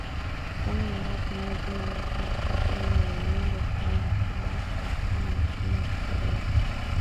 Daniel Arap Moi Jina lake la kubatizwa ni Emilio Stanley Kibaki alisoma uchumi historia